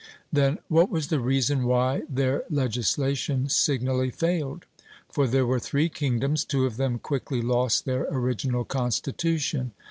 Then what was the reason why their legislation signally failed? For there were three kingdoms, two of them quickly lost their original constitution.